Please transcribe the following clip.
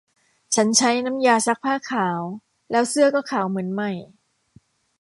ฉันใช้น้ำยาซักผ้าขาว แล้วเสื้อก็ขาวเหมือนใหม่